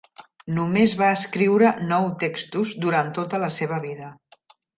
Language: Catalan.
Només va escriure nou textos durant tota la seva vida.